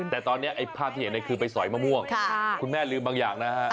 แต่ตอนนี้ไอ้ภาพที่เห็นคือไปสอยมะม่วงคุณแม่ลืมบางอย่างนะฮะ